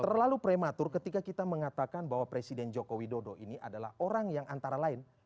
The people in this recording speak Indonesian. terlalu prematur ketika kita mengatakan bahwa presiden joko widodo ini adalah orang yang antara lain